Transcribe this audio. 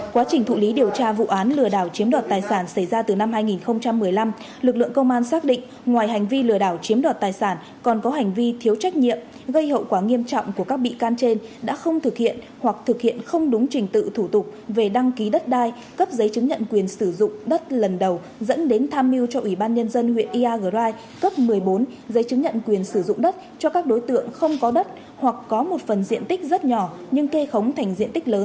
quá trình thụ lý điều tra vụ án lừa đảo chiếm đoạt tài sản xảy ra từ năm hai nghìn một mươi năm lực lượng công an xác định ngoài hành vi lừa đảo chiếm đoạt tài sản còn có hành vi thiếu trách nhiệm gây hậu quả nghiêm trọng của các bị can trên đã không thực hiện hoặc thực hiện không đúng trình tự thủ tục về đăng ký đất đai cấp giấy chứng nhận quyền sử dụng đất lần đầu dẫn đến tham mưu cho ủy ban nhân dân huyện iagrai cấp một mươi bốn giấy chứng nhận quyền sử dụng đất cho các đối tượng không có đất hoặc có một phần diện tích rất nhỏ nhưng kê khống